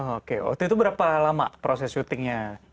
oke waktu itu berapa lama proses syutingnya